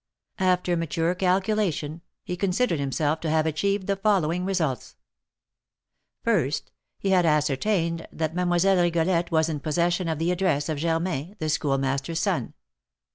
After mature calculation, he considered himself to have achieved the following results: First, he had ascertained that Mlle. Rigolette was in possession of the address of Germain, the Schoolmaster's son.